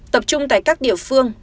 tập trung tại các địa phương